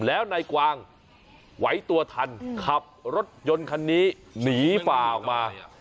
แล้วนายกวางไหวตัวทันขับรถยนต์คันนี้หนีฝ่าออกมา